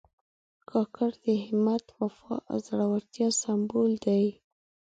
کاکړ د همت، وفا او زړورتیا سمبول دي.